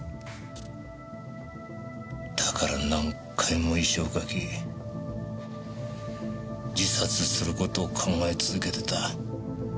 だから何回も遺書を書き自殺する事を考え続けてた。